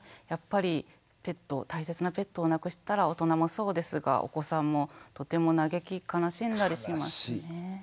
やっぱり大切なペットを亡くしたら大人もそうですがお子さんもとても嘆き悲しんだりしますね。